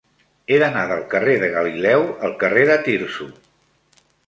He d'anar del carrer de Galileu al carrer de Tirso.